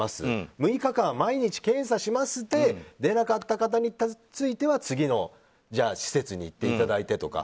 ６日間、毎日検査しますで出なかった方については次の施設に行っていただいてとか。